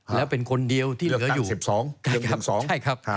แล้วเป็นคนเดียวที่เหลืออยู่